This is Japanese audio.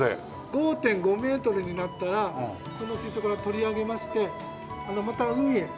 ５．５メートルになったらこの水槽から取り上げましてまた海へ帰します。